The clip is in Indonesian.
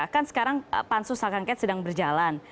kan sekarang pansu sankangket sedang berjalan